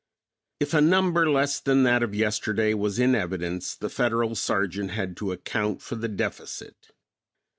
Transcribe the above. If a number less than that of yesterday was in evidence, the Federal sergeant had to account for the deficit.